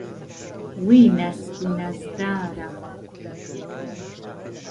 وهی ناسک و نازدارە